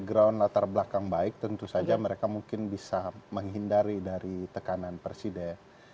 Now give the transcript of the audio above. sebagai orang yang punya latar belakang background yang baik tentu saja mereka mungkin bisa menghindari dari tekanan presiden